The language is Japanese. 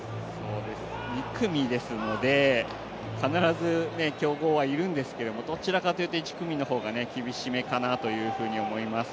２組ですので必ず強豪はいるんですけどどちらかというと、１組目の方が厳しめかなというふうに思います。